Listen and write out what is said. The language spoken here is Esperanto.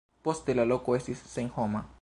Poste la loko estis senhoma.